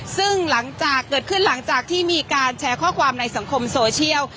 ซึ่งหลังจากเกิดขึ้นหลังจากที่มีการแชร์ข้อความในสังคมโซเชียล